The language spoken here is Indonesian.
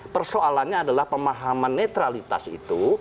persoalannya adalah pemahaman netralitas itu